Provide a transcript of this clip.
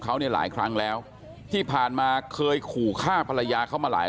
เขาเนี่ยหลายครั้งแล้วที่ผ่านมาเคยขู่ฆ่าภรรยาเขามาหลาย